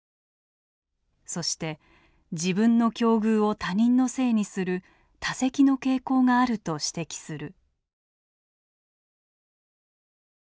そして自分の境遇を他人のせいにする他責の傾向があると指摘する。